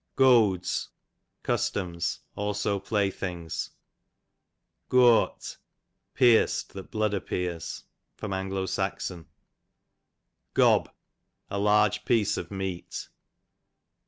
Goads, customs; also pilay things. Gosoct, pierced that blood appears. A. S. Gob, a large piece of meat.